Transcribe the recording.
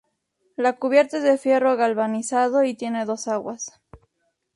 La cubierta es de fierro galvanizado y tiene dos aguas.